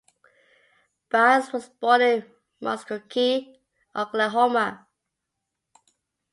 Byas was born in Muskogee, Oklahoma.